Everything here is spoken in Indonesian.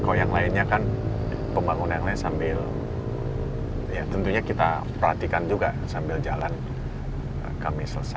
kalau yang lainnya kan pembangunan yang lain sambil ya tentunya kita perhatikan juga sambil jalan kami selesaikan